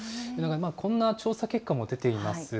こんな調査結果も出ています。